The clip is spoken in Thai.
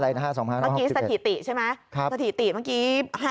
อะไรนะค่ะ๒๕๖๑นะพี่สถิติใช่ไหมสถิติเมื่อกี้๕๐